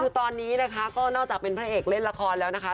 คือตอนนี้นะคะก็นอกจากเป็นพระเอกเล่นละครแล้วนะคะ